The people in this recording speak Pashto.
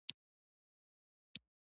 استاد د صبر او زغم بېلګه ده.